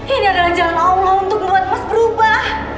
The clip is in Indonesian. ini adalah jalan allah untuk membuat emas berubah